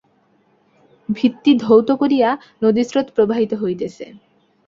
ভিত্তি ধৌত করিয়া নদীস্রোত প্রবাহিত হইতেছে।